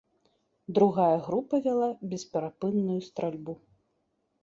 Другая група вяла бесперапынную стральбу.